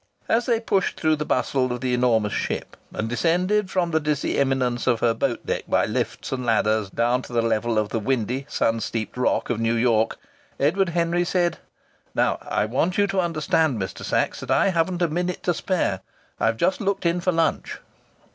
As they pushed through the bustle of the enormous ship, and descended from the dizzy eminence of her boat deck by lifts and ladders down to the level of the windy, sun steeped rock of New York, Edward Henry said: "Now, I want you to understand, Mr. Sachs, that I haven't a minute to spare. I've just looked in for lunch."